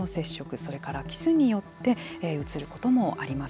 それからキスによってうつることもあります。